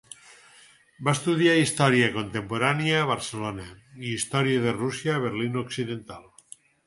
Va estudiar història contemporània a Barcelona i història de Rússia a Berlín Occidental.